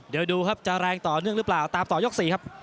เดี๋ยวดูครับจะแรงต่อเนื่องหรือเปล่าตามต่อยก๔ครับ